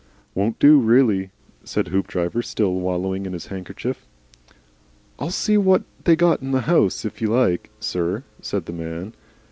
"Won't do, really," said Hoopdriver, still wallowing in his handkerchief. "I'll see wot they got in the 'ouse, if you like, sir," said the man.